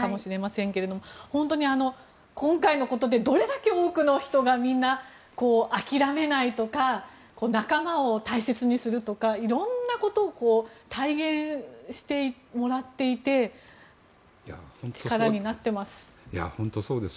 本当に今回のことでどれだけ多くの人がみんな、諦めないとか仲間を大切にするとか色んなことを体現してもらっていて力になっています。